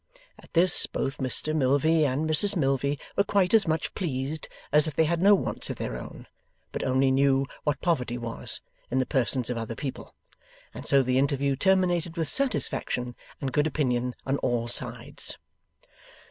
At this, both Mr Milvey and Mrs Milvey were quite as much pleased as if they had no wants of their own, but only knew what poverty was, in the persons of other people; and so the interview terminated with satisfaction and good opinion on all sides.